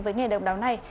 với nghề độc đáo này